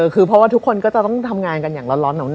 คือเพราะว่าทุกคนก็จะต้องทำงานกันอย่างร้อนหนาว